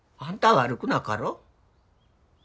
悪くなかろ？